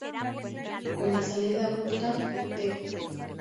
Con la salida abrupta de!